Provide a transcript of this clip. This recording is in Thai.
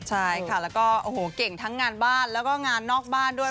ใช่ค่ะแล้วก็โอ้โหเก่งทั้งงานบ้านแล้วก็งานนอกบ้านด้วย